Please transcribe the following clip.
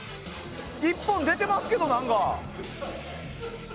１本出てますけど、何か。